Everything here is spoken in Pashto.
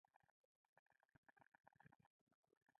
د مظلوم په مرسته خو پوهېږو.